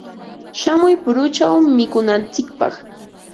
Shamuy puruchaw mikunantsikpaq.